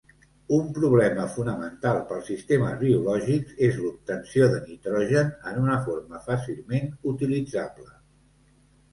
Un problema fonamental pels sistemes biològics és l'obtenció de nitrogen en una forma fàcilment utilitzable.